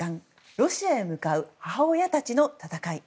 ロシアへ向かう母親たちの戦い。